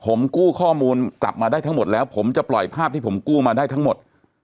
ผมกู้ข้อมูลกลับมาได้ทั้งหมดแล้วผมจะปล่อยภาพที่ผมกู้มาได้ทั้งหมด